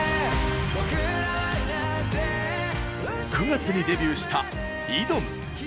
９月にデビューしたｉｄｏｍ。